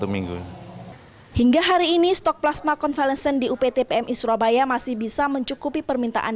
minggu hingga hari ini stok plasma konvalesan di uptpmi surabaya masih bisa mencukupi permintaan